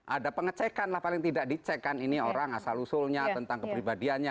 ada pengecekan lah paling tidak dicek kan ini orang asal usulnya tentang kepribadiannya